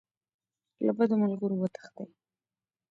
له بدو ملګرو وتښتئ.